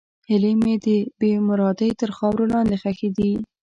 هیلې مې د بېمرادۍ تر خاورو لاندې ښخې دي.